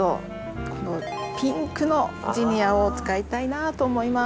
このピンクのジニアを使いたいなと思います。